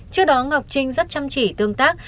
trước đó ngọc trinh rất chăm chỉ tương tác